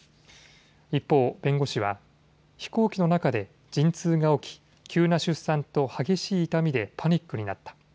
一方、弁護士は飛行機の中で陣痛が起き急な出産と激しい痛みでパニックになった。